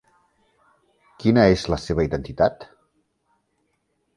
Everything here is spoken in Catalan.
Quina és la seva identitat?